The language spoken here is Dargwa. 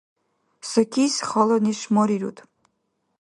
Сакис хала неш марируд